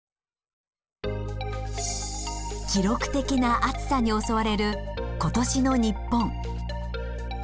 記録的な暑さに襲われる今年の日本。